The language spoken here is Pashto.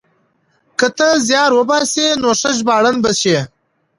که ته زيار وباسې نو ښه ژباړن به شې.